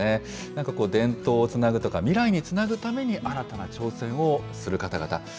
なんかこう、伝統をつなぐとか、未来につなぐために、新たな挑戦をする方々。